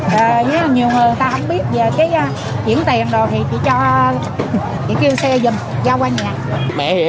nếu nhiều người người ta không biết về chuyển tiền thì chị kêu xe dùm giao qua nhà